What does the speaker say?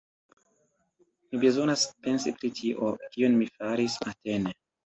Mi bezonas pensi pri tio, kion mi faris matene.